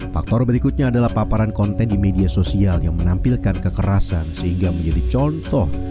faktor berikutnya adalah paparan konten di media sosial yang menampilkan kekerasan sehingga menjadi contoh